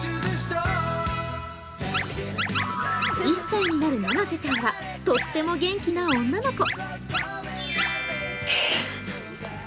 １歳になるななせちゃんはとっても元気な女の子。